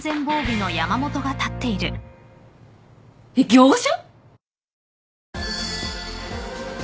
えっ業者？